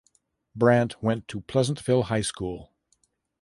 Brandt went to Pleasantville High School.